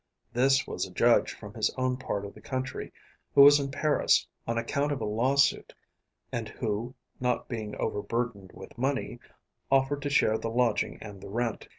This was a judge from his own part of the country who was in Paris on account of a lawsuit and who, not being overburdened with money, offered to share the lodging and the rent.